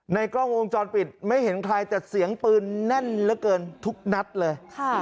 ในกล้องวงจรปิดไม่เห็นใครแต่เสียงปืนแน่นเหลือเกินทุกนัดเลย